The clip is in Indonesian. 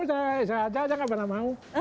saya aja saya gak pernah mau